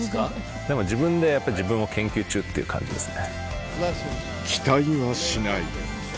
でも自分で自分を研究中っていう感じですね。